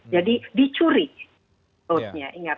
jadi dicuri sepertinya